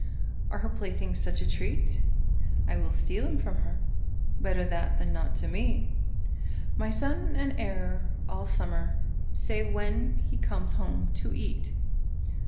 Are her playthings such a treat? I will steal 'em from her; Better that than not to meet My son and heir all summer, Save when he comes home to eat.